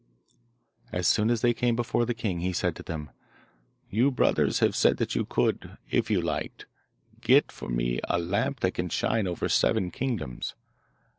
As soon as they came before the king he said to them, 'You brothers have said that you could, if you liked, get for me a lamp that can shine over seven kingdoms.